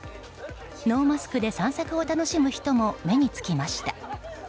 ノーマスクで散策を楽しむ人も目につきました。